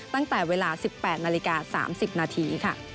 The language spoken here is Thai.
ตั้งแต่เวลา๑๘นาฬิกา๓๐นาทีค่ะ